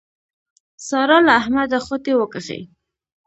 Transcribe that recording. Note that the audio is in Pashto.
سارا له احمده خوټې وکښې.